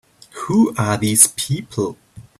Who are these people?